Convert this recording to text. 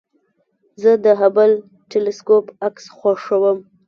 زه د هبل ټېلسکوپ عکس خوښوم.